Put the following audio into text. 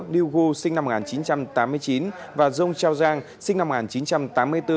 liu gu sinh năm một nghìn chín trăm tám mươi chín và zhong chaozhang sinh năm một nghìn chín trăm tám mươi bốn